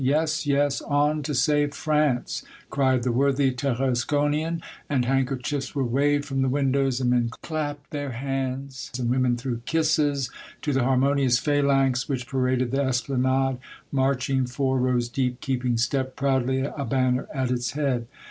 " Yes, yes !— On to save France !" cried the worthy Tarasconian, and handkerchiefs were waved from the windows, and men clapped their hands, and women threw kisses to the harmonious phalanx, which paraded the Esplanade, marching four rows deep, keeping step proudly, a banner at its head.